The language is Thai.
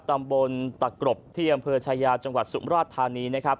ตำบลตะกรบที่อำเภอชายาจังหวัดสุมราชธานีนะครับ